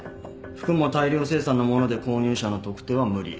服も大量生産のもので購入者の特定は無理。